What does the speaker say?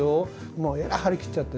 もうえらい張り切っちゃってですね